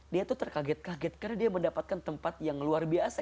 dia tuh terkaget kaget karena dia mendapatkan tempat yang luar biasa